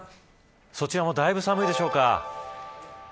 そちらもだいぶ寒いでしょうか。